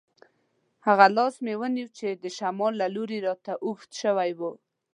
هغه لاس مې ونیو چې د شمال له لوري راته اوږد شوی وو.